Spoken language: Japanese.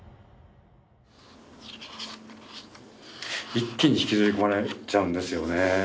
一気に引きずり込まれちゃうんですよね。